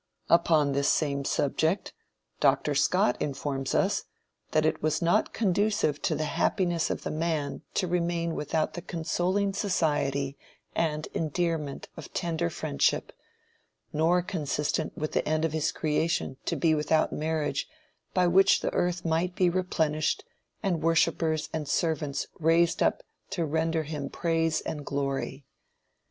Upon this same subject, Dr. Scott informs us "that it was not conducive to the happiness of the man to remain without the consoling society, and endearment of tender friendship, nor consistent with the end of his creation to be without marriage by which the earth might be replenished and worshipers and servants raised up to render him praise and glory.